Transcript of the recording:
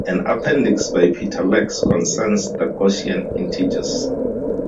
An appendix by Peter Lax concerns the Gaussian integers.